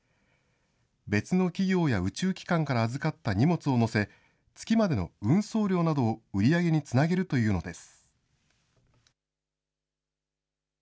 別の企業や宇宙機関から預かった荷物を載せ、月までの運送料などを売り上げにつなげるというのです。